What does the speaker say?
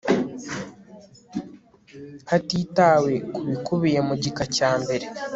Hatitawe ku bikubiye mu gika cya mbere